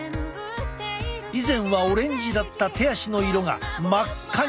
以前はオレンジだった手足の色が真っ赤に。